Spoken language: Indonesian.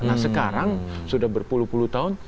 nah sekarang sudah berpuluh puluh tahun